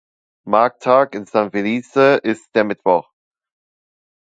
Markttag in San Felice ist der Mittwoch.